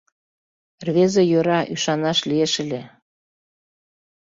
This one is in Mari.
— Рвезе йӧра, ӱшанаш лиеш ыле.